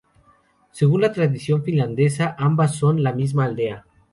Según la tradición finlandesa, ambas son la misma aldea.